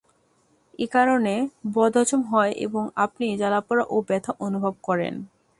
একারণে বদহজম হয় এবং আপনি জ্বালাপোড়া ও ব্যথা অনুভব করেন।